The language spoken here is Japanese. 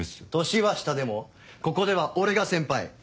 年は下でもここでは俺が先輩。